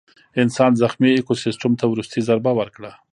انسان زخمي ایکوسیستم ته وروستۍ ضربه ورکړه.